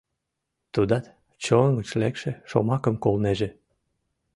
Тудат чон гыч лекше шомакым колнеже...